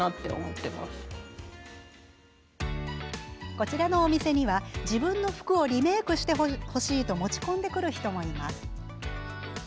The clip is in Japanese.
こちらのお店には、自分の服をリメークしてほしいと持ち込んでくる人もいます。